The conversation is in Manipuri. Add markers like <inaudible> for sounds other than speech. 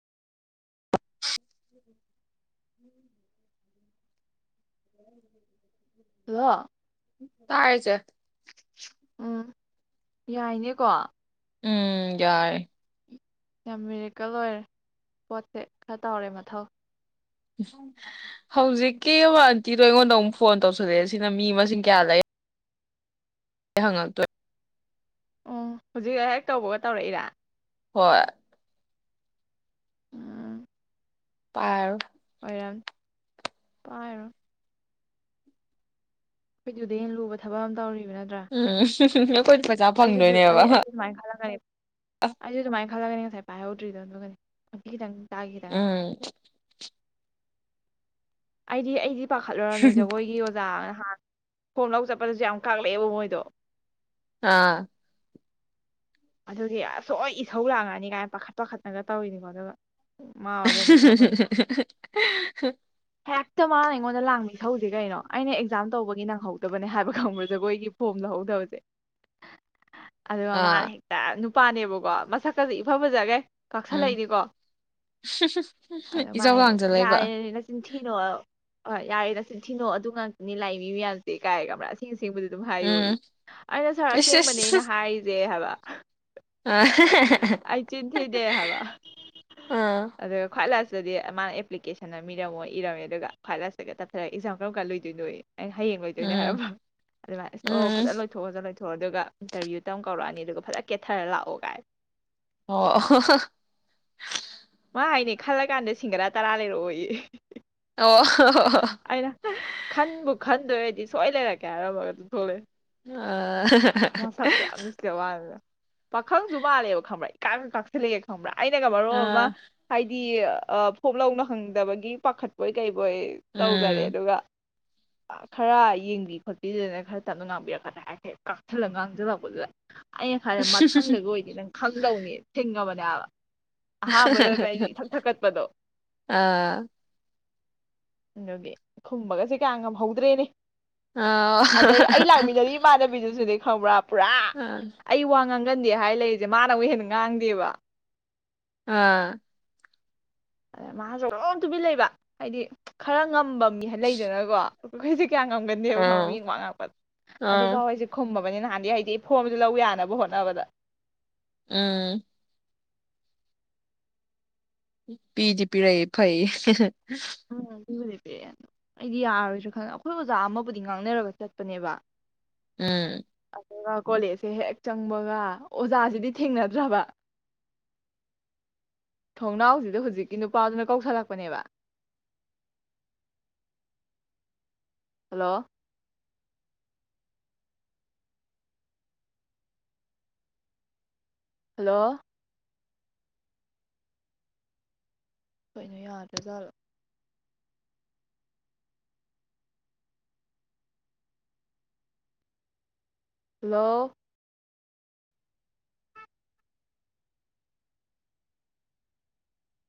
<inaudible> ꯍꯜꯂꯣ ꯇꯥꯏꯌꯦ ꯆꯦ ꯎꯝ ꯌꯥꯏꯅꯦꯀꯣ ꯎꯝ ꯌꯥꯏ ꯌꯥꯝ ꯃꯦꯔꯦꯀꯜ ꯑꯣꯏꯔꯦ ꯄꯣꯠꯁꯦ ꯈꯔ ꯇꯧꯔꯦ ꯃꯊꯧ ꯍꯧꯖꯤꯛꯀꯤ ꯑꯟꯇꯤꯗꯣ ꯑꯩꯉꯣꯟꯗ ꯑꯃꯨꯛ ꯐꯣꯟ ꯇꯧꯁꯜꯂꯛꯑꯦ ꯁꯤꯅ ꯃꯤ ꯃꯁꯤꯡ ꯀꯌꯥ ꯂꯩ ꯍꯪꯉꯛꯇꯣꯏ ꯑꯣ ꯍꯧꯖꯤꯛ ꯑꯩꯍꯦꯛ ꯇꯧꯕꯒ ꯇꯧꯔꯛꯏꯔꯥ ꯍꯣꯏ ꯎꯝ ꯄꯥꯏ <unintelligible> ꯑꯩꯈꯣꯏ ꯗꯨꯗꯩꯩ ꯍꯦꯟꯅꯥ ꯂꯨꯕ ꯊꯕꯛ ꯑꯃ ꯇꯧꯔꯤꯕ ꯅꯠꯇ꯭ꯔꯥ ꯎꯝ ꯄꯩꯁꯥ ꯑꯩꯁꯨꯗꯨꯗꯥ ꯐꯪꯗꯣꯏꯅꯦꯕ ꯑꯩꯁꯨ ꯑꯗꯨꯃꯥꯏꯅ ꯈꯜꯂꯥꯒꯅꯦ ꯑꯩꯁꯨ ꯑꯗꯨꯃꯥꯏꯅ ꯈꯜꯂꯥꯒꯅꯤ ꯉꯁꯥꯏ ꯄꯥꯏꯍꯧꯗ꯭ꯔꯤꯗꯣ ꯑꯗꯨꯒꯅꯦ ꯅꯨꯄꯤ ꯈꯤꯇꯪ ꯇꯥꯒꯦ ꯒꯥꯏ ꯎꯝ ꯑꯩꯗꯤ ꯑꯩꯗꯤ ꯄꯥꯈꯠꯂꯨꯨꯔꯕꯥꯅꯦ ꯖꯒꯣꯏꯒꯤ ꯑꯣꯖꯥ ꯅꯍꯥꯟ ꯐꯣꯟ ꯂꯧ ꯆꯠꯄꯗꯁꯨ ꯌꯥꯝ ꯀꯥꯛꯂꯛꯑꯦꯕ ꯃꯣꯏꯗꯣ ꯑꯥ ꯑꯗꯨꯒꯤ ꯁꯣꯏ ꯏꯁꯧ ꯂꯥꯛꯉꯛꯑꯥꯅꯤ ꯀꯥꯏꯅ ꯄꯥꯈꯠ ꯄꯥꯈꯠꯅꯒ ꯇꯧꯔꯤꯅꯤꯀꯣ ꯑꯗꯨꯒ ꯃꯥ ꯑꯣꯏ ꯂꯩꯔꯝꯃꯤ ꯈꯔ <unintelligible> ꯍꯦꯛꯇꯥ ꯃꯥꯅ ꯑꯩꯉꯣꯟꯗ ꯂꯥꯡꯕꯥ ꯏꯁꯧꯁꯦ ꯀꯩꯅꯣ ꯑꯩꯅ ꯑꯦꯛꯖꯥꯝ ꯇꯧꯕꯒꯤ ꯅꯪꯍꯧꯗꯕꯅꯦ ꯍꯥꯏꯕ ꯈꯪꯕ꯭ꯔ ꯖꯒꯣꯏꯒꯤ ꯐꯣꯝ ꯂꯥꯍꯧꯗꯕ <unintelligible> <inaudible> ꯑꯗꯨꯒꯥ ꯃꯥꯅ ꯑꯥ ꯍꯦꯛꯇ ꯅꯨꯄꯥꯅꯦꯕꯀꯣ ꯃꯁꯛꯀꯥꯖꯦ ꯏꯐ ꯐꯖꯥꯒꯩ ꯎꯝ ꯀꯥꯛꯁꯜꯂꯛꯏꯅꯤꯀꯣ ꯑꯗꯨꯒ ꯃꯥꯥ ꯏꯆꯥꯎ ꯍꯥꯏꯅꯦ ꯂꯥꯡꯖꯜꯂꯛꯏꯕ ꯌꯥꯔꯦ ꯆꯤꯟꯊꯤꯅꯣ ꯍꯣꯏ ꯌꯥꯔꯦ ꯅꯥꯆꯤꯟꯊꯤꯅꯣ ꯑꯗꯨ ꯉꯥꯛꯇꯅꯤ ꯂꯥꯛꯏꯕꯥ ꯃꯤꯃꯥꯌꯥꯝꯖꯦ ꯀꯥꯏꯅꯥꯀꯣ ꯑꯁꯦꯡ ꯑꯁꯦꯡꯕꯥꯗꯤ ꯑꯗꯨꯝ ꯎꯝ ꯍꯥꯏꯌꯣꯌꯦ ꯑꯩꯅ ꯁꯥꯔ ꯏꯁ ꯑꯁꯦꯡꯕꯅꯦ ꯏꯁ ꯑꯩꯅ ꯍꯥꯏꯔꯤꯁꯦ ꯍꯥꯏꯕ <unintelligible> ꯑꯩ ꯆꯤꯟꯊꯤꯗꯦ ꯍꯥꯕ ꯑꯥ ꯑꯗꯨꯒ ꯈ꯭ꯋꯥꯏ ꯂꯥꯁꯇꯗꯤ ꯃꯥꯅ ꯑꯦꯄ꯭ꯂꯤꯀꯦꯁꯟ ꯑꯃꯥ ꯏꯔꯝꯃꯣ ꯏꯔꯝꯃꯦ ꯑꯗꯨꯒ ꯈ꯭ꯋꯥꯏ ꯂꯥꯁꯇꯒ ꯇꯞꯊꯔꯒ ꯑꯦꯛꯖꯥꯝ ꯀꯔꯝ ꯀꯥꯟ ꯂꯣꯏꯗꯣꯏꯅꯣꯌꯦ ꯑꯩꯅ ꯍꯌꯦꯡ ꯂꯣꯏꯗꯣꯏꯅꯦ ꯎꯝ ꯍꯥꯏꯔꯝꯝꯕ ꯑꯗꯨ ꯃꯥꯅ ꯑꯁ ꯑꯣ ꯎꯝ ꯐꯖꯅꯥ ꯂꯣꯏꯊꯣꯛꯑꯣ ꯂꯣꯢꯊꯣꯛꯑꯣ ꯑꯗꯨꯒ ꯏꯟꯇꯔꯚꯤꯌꯨ ꯗꯥ ꯀꯧꯔꯛꯑꯅꯤ ꯑꯗꯨꯒ ꯐꯖꯥꯅ ꯀꯦꯊꯔꯥ ꯂꯥꯛꯑꯣꯒꯥꯏ ꯑꯣ ꯃꯥ ꯍꯥꯏꯅꯦ ꯈꯜꯂꯥ ꯀꯥꯟꯗ ꯁꯤꯡꯒꯔꯥ ꯇꯔꯥ ꯂꯩꯔꯛꯑꯣꯌꯦ ꯑꯣ ꯑꯩꯅ ꯈꯟꯕꯨ ꯈꯟꯗꯣꯏ ꯑꯣꯏꯔꯗꯤ ꯁꯣꯏ ꯂꯩꯔꯛꯀꯦ ꯍꯥꯏꯔꯝꯃꯒꯥ ꯑꯗꯨꯝ ꯑꯥ ꯊꯣꯛꯂꯛꯑꯦ ꯃꯁꯛꯇꯣ ꯌꯥꯝ ꯅꯨꯡꯁꯤ ꯄꯥꯈꯪꯁꯨ ꯃꯥꯜꯂꯦꯕ ꯈꯪꯕ꯭ꯔꯥ ꯏꯀꯥꯛꯁꯨ ꯀꯥꯛꯁꯤꯜꯂꯛꯑꯦ ꯈꯪꯕ꯭ꯔꯥ ꯑꯩꯅꯒ ꯃꯔꯣꯟ ꯑꯃꯥ ꯑꯥ ꯍꯥꯏꯗꯤ ꯐꯣꯞ ꯂꯧꯅ ꯅꯪꯗꯕꯒꯤ ꯄꯥꯈꯠꯄꯣꯏ ꯀꯩꯕꯣꯏ ꯇꯧꯖꯔꯦ ꯎꯝ ꯑꯗꯨꯒ <unintelligible> ꯈꯔ ꯌꯦꯡꯕꯤ ꯈꯣꯠꯄꯤꯗꯅ ꯈꯔ ꯇꯞꯅꯥ ꯉꯥꯡꯕꯤꯔꯛꯀꯗꯔꯥ ꯍꯥꯏꯔꯥ ꯀꯥꯛꯁꯜꯂꯒ ꯉꯥꯡꯖꯤꯜꯂꯛꯄꯗꯨꯗꯤ ꯑꯩꯅ ꯈꯜꯂꯦ ꯃꯊꯪꯗꯥꯒ ꯑꯣꯏꯗꯤ ꯅꯪ ꯈꯪꯗꯧꯅꯦ ꯊꯦꯡꯅꯕꯗꯥ ꯑꯍꯥꯥꯟꯕꯒ ꯑꯣꯏ ꯏꯊꯛ ꯊꯛꯀꯠꯄꯗꯣ ꯑꯥ ꯑꯗꯨꯒꯤ ꯈꯨꯝꯕꯒꯥꯁꯦ ꯀꯌꯥ ꯉꯝꯍꯧꯗ꯭ꯔꯦ ꯑꯥ ꯑꯗꯩ ꯑꯩ ꯂꯥꯛꯃꯤꯟꯅꯔꯤ ꯏꯃꯥꯟꯅꯕꯤꯗꯨꯁꯨꯅꯦ ꯈꯪꯕ꯭ꯔꯥ ꯄꯨꯔꯥ ꯍꯥ ꯑꯩ ꯋꯥ ꯉꯥꯡꯒꯟꯗꯦ ꯍꯥꯏ ꯂꯩꯔꯤꯁꯦ ꯃꯥꯅ ꯑꯃꯨꯛ ꯍꯦꯟꯅ ꯉꯥꯡꯗꯦꯕ ꯑꯥ ꯑꯗꯩ ꯃꯥꯁꯨ ꯗꯨꯝ ꯇꯨꯃꯤꯟ ꯂꯩꯕ ꯍꯥꯏꯗꯤ ꯈꯔꯥ ꯉꯝꯕꯥ ꯃꯤ ꯂꯩꯗꯅꯀꯣ ꯑꯈꯣꯏꯗꯤ ꯀꯌꯥ ꯉꯝꯒꯟꯗꯦꯕꯥ ꯈꯪꯕꯔꯥ ꯑꯥ ꯃꯤ ꯋꯥ ꯉꯥꯡꯉꯛꯄꯗꯥ ꯑꯗꯣ ꯑꯥ ꯈꯨꯝꯃꯕꯅꯤ ꯅꯍꯥꯟꯗꯤ ꯍꯥꯏꯗꯤ ꯐꯣꯏꯕꯗꯨ ꯂꯧ ꯌꯥꯅꯕ ꯍꯣꯠꯅꯕꯗ ꯎꯝ ꯄꯤꯗꯤ ꯄꯤꯔꯑꯦ ꯐꯩ <unintelligible> ꯑꯩꯗꯤ ꯌꯥꯔꯣꯏꯁꯨ ꯈꯪ ꯑꯩꯈꯣꯏ ꯑꯣꯖꯥ ꯑꯃꯕꯨꯗꯤ ꯉꯥꯡꯅꯔꯒ ꯆꯠꯄꯅꯦꯕ ꯎꯝ ꯑꯗꯨꯒ ꯀꯣꯂꯦꯖꯁꯦ ꯍꯦꯛ ꯆꯪꯕꯒ ꯑꯣꯖꯥꯁꯤꯗꯤ ꯊꯦꯡꯅꯗ꯭ꯔꯕ ꯊꯣꯡꯅꯥꯎꯁꯤꯗ ꯍꯧꯖꯤꯛꯀꯤ ꯅꯨꯄꯥꯗꯨꯅ ꯀꯧꯁꯜꯂꯛꯄꯅꯦꯕ ꯍꯜꯂꯣ ꯍꯜꯂꯣ ꯀꯩꯅꯣ ꯌꯥꯗ꯭ꯔꯥ ꯖꯥꯠꯂꯣ ꯍꯜꯂꯣ